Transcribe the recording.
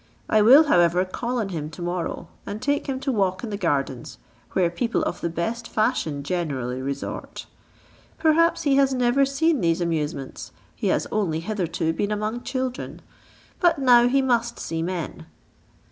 I will, however, call on him to morrow and take him to walk in the gardens, where people of the best fashion generally resort. Perhaps he has never seen these amusements, he has only hitherto been among children; but now he must see men."